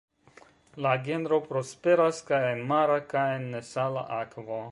La genro prosperas kaj en mara kaj en nesala akvo.